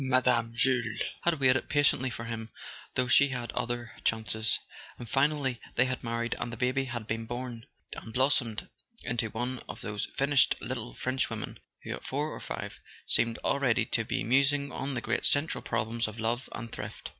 Mme. Jules had waited patiently for him, though she had other chances; and finally they had married and the baby had been born, and blossomed into one of those finished little Frenchwomen who, at four or five, seem already to be musing on the great central problems of love and thrift.